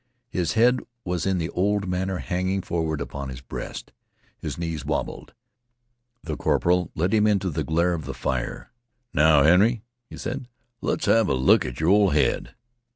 His head was in the old manner hanging forward upon his breast. His knees wobbled. The corporal led him into the glare of the fire. "Now, Henry," he said, "let's have look at yer ol' head."